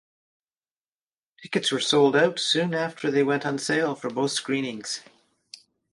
Tickets were sold out soon after they went on sale for both screenings.